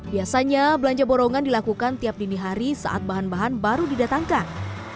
biasanya belanja borongan dilakukan tiap dini hari saat bahan bahan baru didatangkan